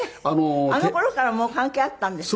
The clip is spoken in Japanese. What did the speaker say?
あの頃からもう関係あったんですか？